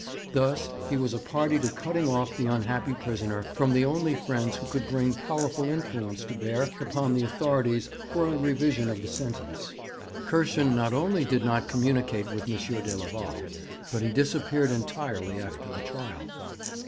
Thus he was a party to cutting off the unhappy prisoner from the only friends who could bring powerful influence to bear upon the authorities for a revision of the sentence. Kirschen not only did not communicate with M. de Leval, but he disappeared entirely after the trial.